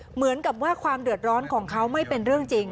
เหมือนกับว่าความเดือดร้อนของเขาไม่เป็นเรื่องจริง